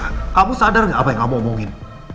kamu sadar gak apa yang aku omongin